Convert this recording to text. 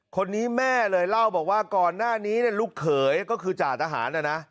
คนนี้แม่เลยเล่าบอกว่าก่อนหน้านี้ลูกเขยก็คือจ่าทหารนะนะ